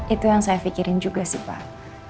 itu yang saya pikirin juga sih pak